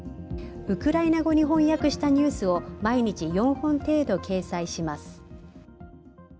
ウクライナ語に翻訳したニュースを毎日４本程度掲載します。